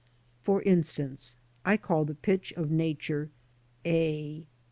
*\ For instance, I call the pitch of Nature " A."